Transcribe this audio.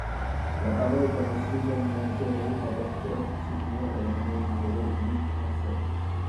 La parole est à Monsieur Germinal Peiro, rapporteur, pour soutenir l’amendement numéro mille trente-sept.